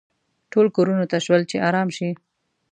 ټول کورونو ته شول چې ارام شي.